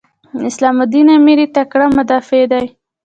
اسلام الدین امیري تکړه مدافع دی.